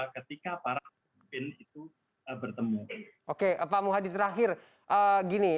ketika para pemimpin itu bertemu oke pak muhadi terakhir gini